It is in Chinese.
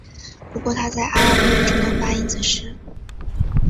不过它在阿拉伯语中的发音则是。